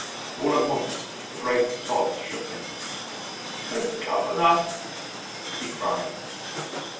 All at once a great sob shook him. "Oh, governor!" he cried.